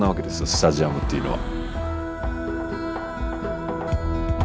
スタジアムっていうのは。